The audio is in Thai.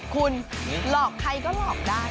คุณหลอกใครก็หลอกได้